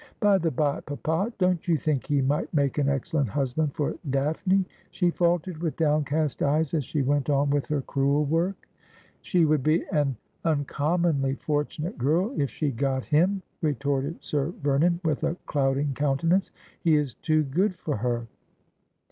By the bye, papa, don't you think he might make an excellent husband for Daphne ?' she faltered, with downcast eyes, as she went on with her crewel work. ' She would be an uncommonly fortunate girl if she got him,' retorted Sir Vernon, with a clouding countenance ;' he is too good for her.'